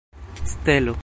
stelo